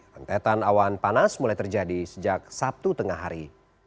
rentetan awan panas mulai terjadi sejak sabtu tengah hari